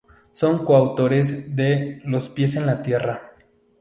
Son coautores de "Los pies en la tierra.